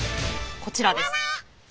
こちらです。